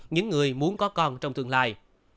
những người muốn có con trong tương lai